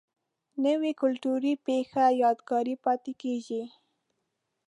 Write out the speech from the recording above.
نوې کلتوري پیښه یادګار پاتې کېږي